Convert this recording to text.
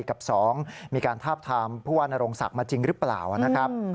กับ๒มีการทาบทามผู้ว่านโรงศักดิ์มาจริงหรือเปล่านะครับ